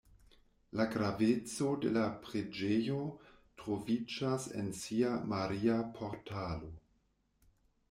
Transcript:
La graveco de la preĝejo troviĝas en sia „Maria-Portalo“.